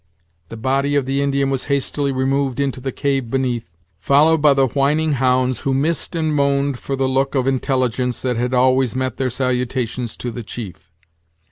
The body of the Indian was hastily removed into the cave beneath, followed by the whining hounds, who missed and moaned for the look of intelligence that had always met their salutations to the chief.